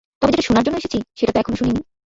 তবে যেটা শুনার জন্য এসেছি, সেটা তো এখনও শুনিনি।